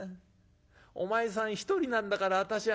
お前さん一人なんだから私は。